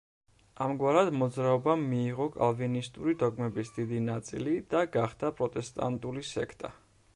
ამგვარად მოძრაობამ მიიღო კალვინისტური დოგმების დიდი ნაწილი და გახდა პროტესტანტული სექტა.